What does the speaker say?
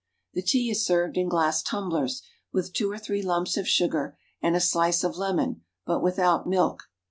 The tea is served in glass tumblers, with two or three lumps of sugar and a slice of lemon, but without milk.